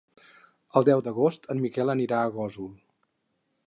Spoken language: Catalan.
El deu d'agost en Miquel anirà a Gósol.